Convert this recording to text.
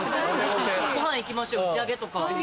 ご飯行きましょう打ち上げとか。